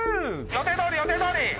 予定どおり予定どおり！